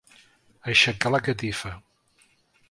Aixecar la catifa.